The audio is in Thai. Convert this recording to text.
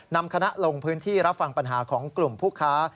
นำคณะลงพื้นที่รับฟังปัญหาของกลุ่มผู้ค้า